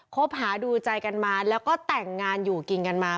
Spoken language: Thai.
คบหาดูใจกันมาแล้วก็แต่งงานอยู่กินกันมา